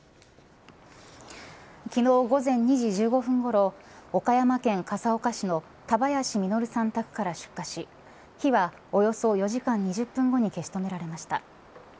昨日、午前２時１５分ごろ岡山県笠岡市の田林稔さん宅から出火し火は、およそ４時間２０分後に消し止められました。